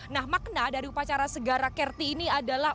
nah makna dari upacara segara kerti ini adalah